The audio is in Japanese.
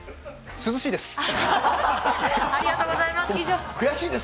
涼しいです。